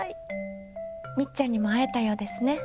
みっちゃんにもあえたようですね。